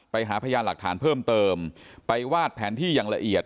ไปหาพยานหลักฐานเพิ่มเติมไปวาดแผนที่อย่างละเอียด